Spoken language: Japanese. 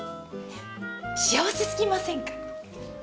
幸せ過ぎませんか？